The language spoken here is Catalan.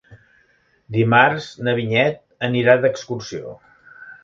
Dimarts na Vinyet anirà d'excursió.